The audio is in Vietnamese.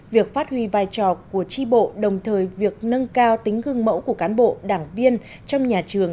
việc phát huy vai trò của tri bộ đồng thời việc nâng cao tính gương mẫu của cán bộ đảng viên trong nhà trường